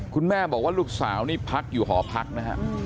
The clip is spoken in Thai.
คุณแม่บอกว่าลูกสาวนี่พักอยู่หอพักนะฮะ